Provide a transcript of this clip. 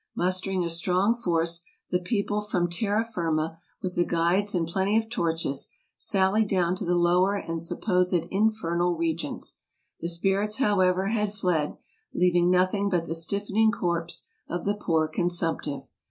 Mustering a strong force the people from terra Jirma, with the guides and plenty of torches, sallied down to the lower and supposed infernal re gions. The spirits, however, had fled, leaving nothing but the stiffening corpse of the poor consumptive.